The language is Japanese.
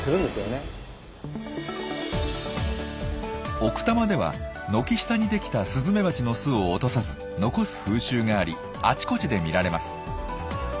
奥多摩では軒下にできたスズメバチの巣を落とさず残す風習がありあちこちで見られます。